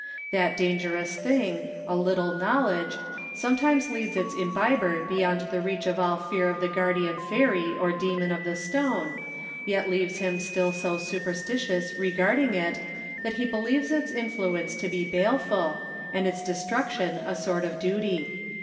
That dangerous thing, a little knowledge, sometimes leads its imbiber beyond the reach of all fear of the guardian fairy or demon of the stone, yet leaves him still so superstitious regarding it that he believes its influence to be baleful, and its destruction a sort of duty.